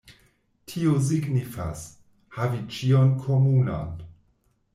Tio signifas: havi ĉion komunan.